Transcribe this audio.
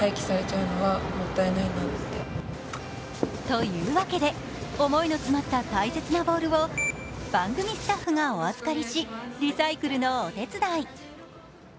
というわけで思いの詰まった大切なボールを番組スタッフがお預かりし、リサイクルのお手伝い。